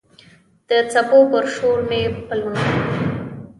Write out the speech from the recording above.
د څپو پر شور مې پلونه